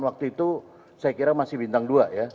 waktu itu saya kira masih bintang dua ya